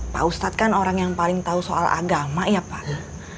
pak ustadz kan orang yang paling tahu soal agama ya pak